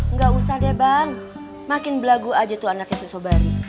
nggak usah deh bang makin belagu aja tuh anaknya susobari